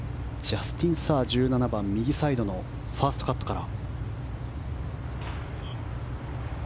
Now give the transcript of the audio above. ジャスティン・サー、１７番右サイドのファーストカットから。